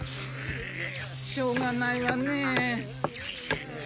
しょうがないわねえ。